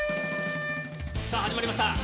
さあ、始まりました。